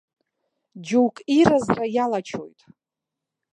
Џьоук иразра иалачоит.